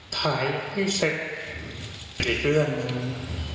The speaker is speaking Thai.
ถ่ายพิเศษกี่เรื่องนึง